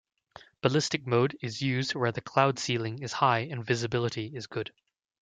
Ballistic mode is used where the cloud ceiling is high and visibility is good.